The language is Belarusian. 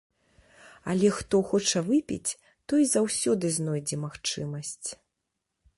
Але хто хоча выпіць, той заўсёды знойдзе магчымасць.